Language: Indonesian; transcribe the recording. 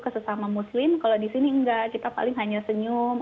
ke sesama muslim kalau di sini enggak kita paling hanya senyum